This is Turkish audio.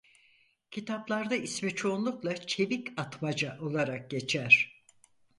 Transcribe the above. Kitaplarda ismi çoğunlukla "Çevik Atmaca" olarak geçer.